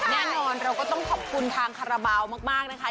แน่นอนเราก็ต้องขอบคุณทางคาราบาลมากนะคะ